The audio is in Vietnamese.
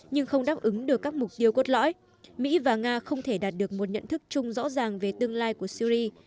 nhưng không đáp ứng được các mục tiêu cốt lõi mỹ và nga không thể đạt được một nhận thức chung rõ ràng về tương lai của syri